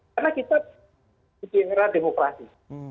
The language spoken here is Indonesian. karena kita di genera demokrasi